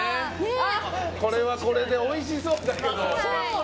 これはこれでおいしそうだけど。